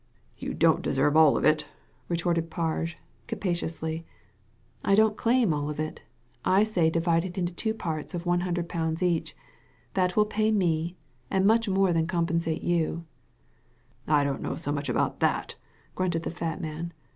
"You don't deserve all of it," retorted Parge, captiously. '< I don't claim all of it I say divide it into two parts of one hundred pounds each. That will pay me, and much more than compensate you." Digitized by Google THE END OF IT ALL 269 * I don't know so much about that," grunted the fat man.